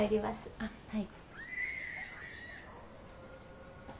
あっはい。